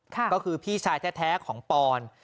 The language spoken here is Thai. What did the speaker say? ก็คือพี่ชายแท้ของปอน